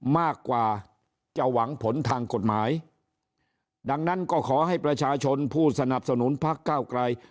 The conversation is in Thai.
มากกว่าจะหวังผลทางกฎหมายดังนั้นก็ขอให้ประชาชนผู้สนับสนุนพักเก้าไกล